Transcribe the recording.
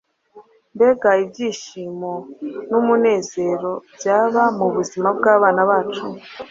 mbega ibyishimo n’umunezero byaba mu buzima bw’abana bacu